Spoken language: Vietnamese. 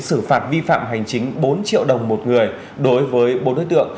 xử phạt vi phạm hành chính bốn triệu đồng một người đối với bốn đối tượng